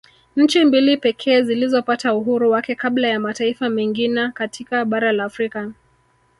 Nchi mbili pekee zilizopata uhuru wake kabla ya mataifa mengina katika bara la Afrika